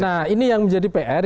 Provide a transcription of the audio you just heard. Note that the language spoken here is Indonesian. nah ini yang menjadi pr